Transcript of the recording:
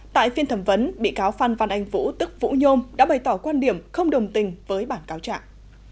tại phiên thẩm vấn bị cáo phan văn anh vũ tức vũ nhôm đã bày tỏ quan điểm không đồng tình với bản cáo trạng